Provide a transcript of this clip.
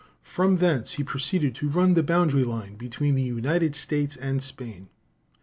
From thence he proceeded to run the boundary line between the United States and Spain.